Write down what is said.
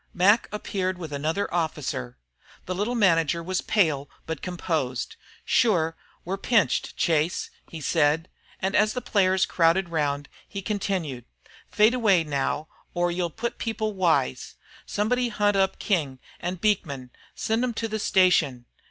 Mac appeared with another officer. The little manager was pale but com posed. "Shure, we're pinched, Chase," he said and as the players crowded round he continued : "Fade away now, or you'll put people wise. Somebody hunt up King an' Beekman an' send them to the station.